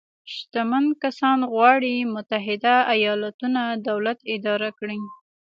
شتمن کسان غواړي متحده ایالتونو دولت اداره کړي.